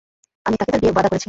আমি তাকে তার বিয়ের ওয়াদা করেছি।